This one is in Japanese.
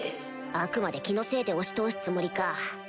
あくまで気のせいで押し通すつもりか